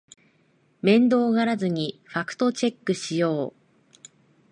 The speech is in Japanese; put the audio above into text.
面倒がらずにファクトチェックしよう